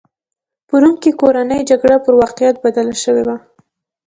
په روم کې کورنۍ جګړه پر واقعیت بدله شوې وه.